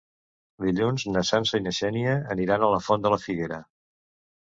Dilluns na Sança i na Xènia aniran a la Font de la Figuera.